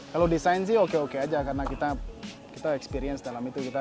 kalau desain sih oke oke aja karena kita experience dalam itu